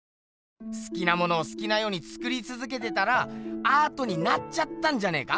すきなものをすきなようにつくりつづけてたらアートになっちゃったんじゃねえか？